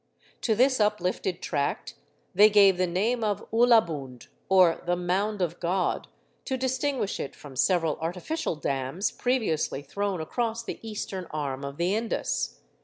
To this uplifted tract they gave the name of Ulla Bund, or the "Mound of God," to distinguish it from several artificial dams previously thrown across the eastern arm of the Indus.